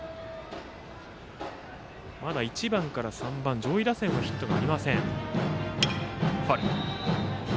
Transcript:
まだ１番から３番、上位打線のヒットがありません。